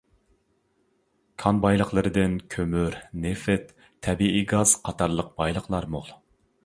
كان بايلىقلىرىدىن كۆمۈر، نېفىت، تەبىئىي گاز قاتارلىق بايلىقلار مول.